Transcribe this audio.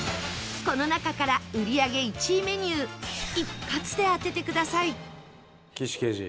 この中から売り上げ１位メニュー１発で当ててください